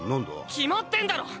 決まってんだろ！